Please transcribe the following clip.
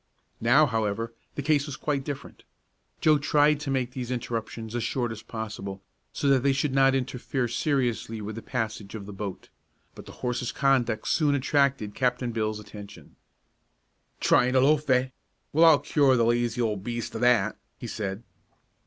Now, however, the case was quite different. Joe tried to make these interruptions as short as possible, so that they should not interfere seriously with the passage of the boat; but the horse's conduct soon attracted Captain Bill's attention. "Tryin' to loaf, eh? Well, I'll cure the lazy old beast o' that," he said.